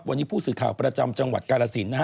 วันนี้ผู้สื่อข่าวประจำจังหวัดกาลสินนะฮะ